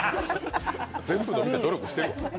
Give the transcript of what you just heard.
全部のお店、努力してるわ。